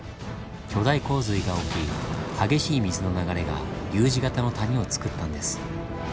巨大洪水が起き激しい水の流れがＵ字形の谷をつくったんです。